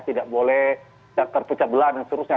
tidak boleh terpecah belah dan seterusnya